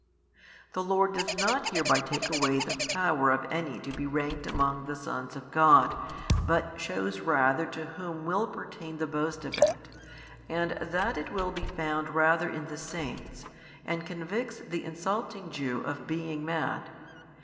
The Lord does not hereby take away the power of any to be ranked among the sons of God, but shews rather to whom will pertain the boast of it, and that it will be found rather in the saints, and convicts the insulting Jew of being mad.